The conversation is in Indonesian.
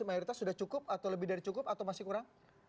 mayoritas sudah cukup atau lebih dari cukup atau masih kurang